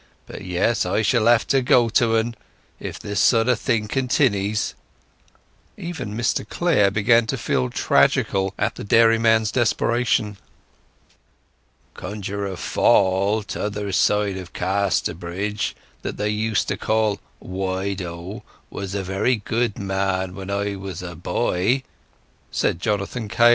O yes, I shall have to go to 'n, if this sort of thing continnys!" Even Mr Clare began to feel tragical at the dairyman's desperation. "Conjuror Fall, t'other side of Casterbridge, that they used to call 'Wide O', was a very good man when I was a boy," said Jonathan Kail.